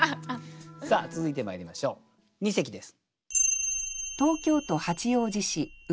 さあ続いてまいりましょう二席です。